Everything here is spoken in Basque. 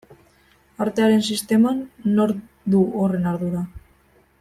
Artearen sisteman nork du horren ardura?